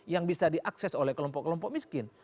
yang bisa diakses oleh kelompok kelompok miskin